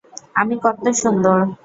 আমি কত্ত সুন্দর!